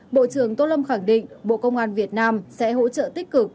bộ trưởng tô lâm khẳng định bộ công an việt nam sẽ hỗ trợ tích cực